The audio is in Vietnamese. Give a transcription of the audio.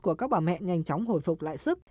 của các bà mẹ nhanh chóng hồi phục lại sức